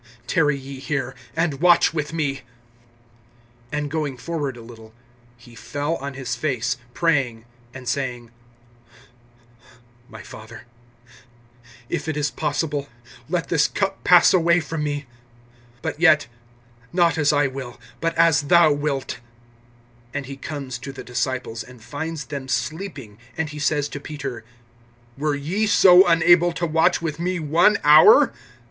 Tarry ye here, and watch with me. (39)And going forward a little, he fell on his face, praying, and saying: My Father, if it is possible, let this cup pass away from me. But yet, not as I will, but as thou wilt. (40)And he comes to the disciples, and finds them sleeping; and he says to Peter: Were ye so unable to watch with me one hour?